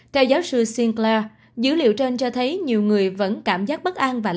theo giáo sư sinclair dữ liệu trên cho thấy nhiều người vẫn cảm giác bất an và